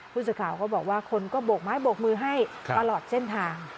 ผู้สื่อข่าวก็บอกว่าคนก็โบกไม้โบกมือให้ตลอดเส้นทาง